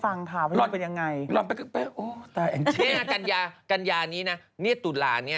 แองกี้ให้กำลังใจหน่อยทำไม